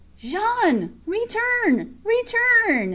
Jean! Return! Return!